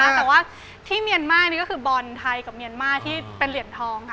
แต่ว่าที่เมี่ยนมาพริกก็คือบอลไทยมีเนี่ยนมาภารกิจเหลียนทองอ่ะ